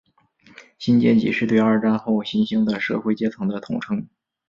新阶级是对二战后新兴的社会阶层的统称。